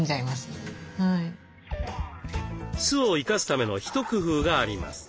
酢を生かすための一工夫があります。